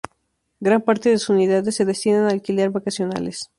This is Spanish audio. Gran parte de sus unidades se destinan a alquiler vacacionales.